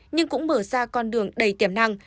nhưng cũng mở ra con đường đầy tiềm năng